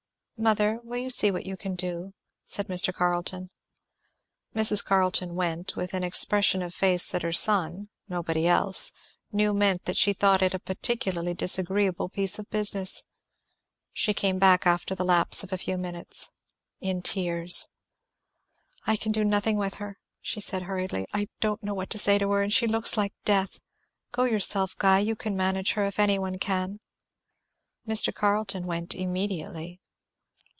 "Mother, will you see what you can do?" said Mr. Carleton. Mrs. Carleton went, with an expression of face that her son, nobody else, knew meant that she thought it a particularly disagreeable piece of business. She came back after the lapse of a few minutes, in tears. "I can do nothing with her," she said hurriedly; "I don't know what to say to her; and she looks like death. Go yourself, Guy; you can manage her if any one can." Mr. Carleton went immediately.